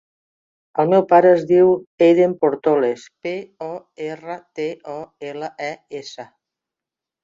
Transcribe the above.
El meu pare es diu Eiden Portoles: pe, o, erra, te, o, ela, e, essa.